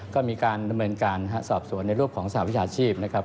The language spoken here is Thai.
ก็มีการดำเนินการสอบสวนในรูปของสหวิชาชีพนะครับ